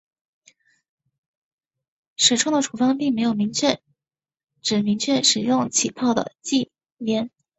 始创的处方并没有明确指明使用起泡的忌廉。